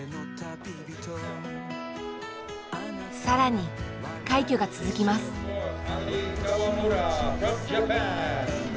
更に快挙が続きます。